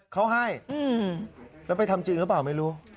เขาให้แล้วไปทำจริงหรือเปล่าไม่รู้